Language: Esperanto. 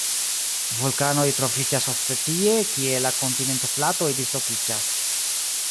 Vulkanoj troviĝas ofte tie, kie la kontinentplatoj dislokiĝas.